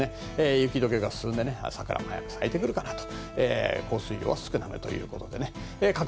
雪解けが進んで桜も早く咲いてくるかなと。